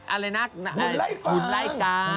อะไรนะหนุนไล่ฟัง